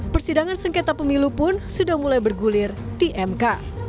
persidangan sengketa pemilu pun sudah mulai bergulir di mk